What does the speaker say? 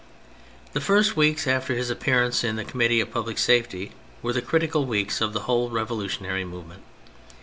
The first weeks after his appearance in the Connnittee of Public Safety were the critical weeks of the whole revolutionary movement.